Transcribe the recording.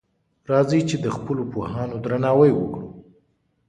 راځئ چی د خپلو پوهانو درناوی وکړو.